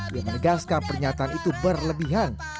yang menegaskan pernyataan itu berlebihan